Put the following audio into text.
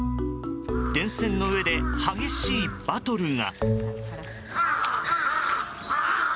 電線の上で激しいバトルが。